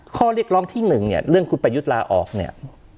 ข้อเรียกร้องที่หนึ่งเนี่ยเรื่องคุณประยุทธ์ลาออกเนี่ย